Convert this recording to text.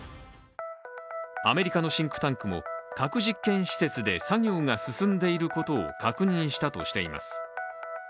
アメリカのシンクタンクも、核実験施設で作業が進んでいることを確認したとしています。